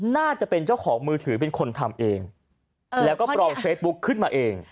น่าจะเป็นเจ้าของมือถือเป็นคนทำเองแล้วก็ปลอมเฟซบุ๊คขึ้นมาเอง